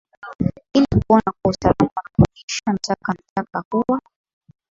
ili kuona kuwa usalama unadumuishwa nataka nataka kuwa